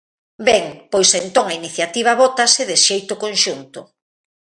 Ben, pois entón a iniciativa vótase de xeito conxunto.